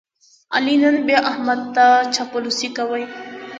علي نن بیا احمد ته چاپلوسي کوي.